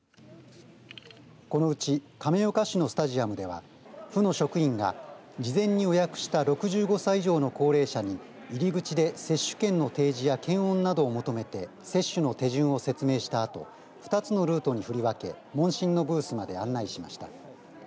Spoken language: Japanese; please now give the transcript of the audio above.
このうち亀岡市のスタジアムでは府の職員が事前に予約した６５歳以上の高齢者に入り口で接種券の提示や検温などを求めて接種の手順を説明したあと２つのルートに振り分け問診のブースまで案内しました。